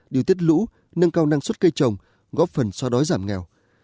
điều tiết lũ nâng cao năng suất cây trồng góp phần so đói giảm nghèo